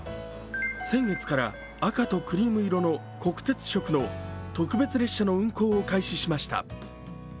先月から、赤とクリーム色の国鉄色の特別列車の運行を開始しました。